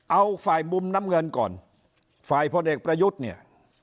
เอาฝ่ายมุมน้ำเงินก่อนฝ่ายพลเอกประยุทธ์เนี่ย